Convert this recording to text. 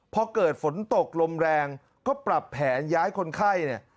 พอเกิดฝนตกลมแรงก็ปรับแผนย้ายคนไข้เนี่ย